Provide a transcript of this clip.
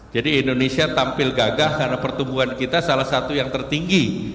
jadi indonesia tampil gagah karena pertumbuhan kita salah satu yang tertinggi